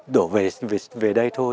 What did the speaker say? đổ về đây thôi